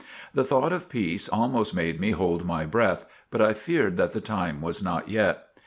The thought of peace almost made me hold my breath, but I feared that the time was not yet.